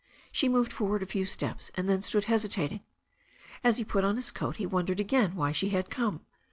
She moved forward a few steps, and then stood hesitating. As he put on his coat he wondered again why she had come.